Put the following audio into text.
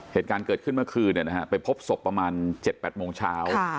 เหตุการณ์เกิดขึ้นเมื่อคืนไปพบศพประมาณ๗๘โมงเช้า